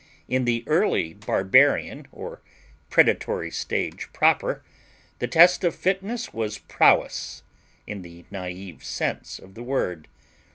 In the early barbarian, or predatory stage proper, the test of fitness was prowess, in the naive sense of the word.